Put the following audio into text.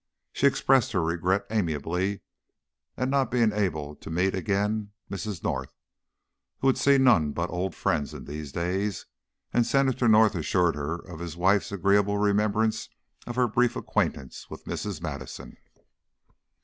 She expressed her regret amiably at not being able to meet again Mrs. North, who would see none but old friends in these days, and Senator North assured her of his wife's agreeable remembrance of her brief acquaintance with Mrs. Madison.